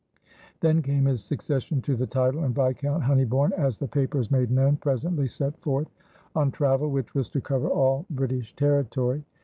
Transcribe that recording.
Then came his succession to the title, and Viscount Honeybourne, as the papers made known, presently set forth on travel which was to cover all British territory.